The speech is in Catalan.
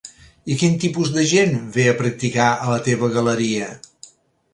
I quin tipus de gent ve a practicar a la teva galeria?